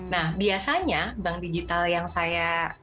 nah biasanya bank digital yang saya